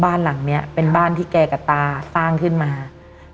บ้านหลังนี้เป็นบ้านที่แกกับตาสร้างขึ้นมา